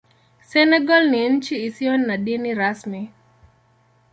Senegal ni nchi isiyo na dini rasmi.